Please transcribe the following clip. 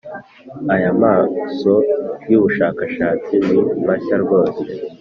Aya maso y ubushakashatsi ni mashya rwose.